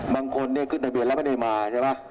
บางคนเนี่ยขึ้นทะเบียนแล้วไม่ได้มาใช่ไหม